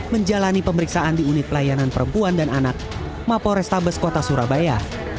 menjalani pemeriksaan di unit pelayanan perempuan dan anak mapo restabes kota surabaya